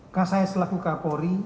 kasus kasus yang selaku kapolri